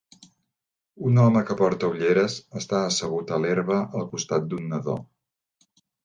Un home que porta ulleres està assegut a l'herba al costat d'un nadó.